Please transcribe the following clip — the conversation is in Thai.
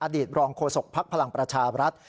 ตรองโฆษกภักดิ์พลังประชาบรัฐ